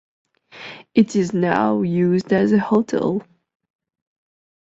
It is now used as a hotel.